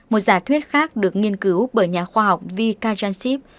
một giả thuyết khác được nghiên cứu bởi nhà khoa học v kazanchip